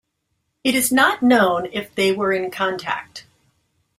It is not known if they were in contact.